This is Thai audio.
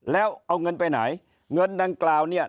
แล้วเอาเงินไปไหนเงินดังกล่าวเนี่ย